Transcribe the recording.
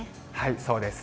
そうです。